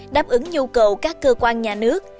đáp ứng nhu cầu các cơ quan nhà nước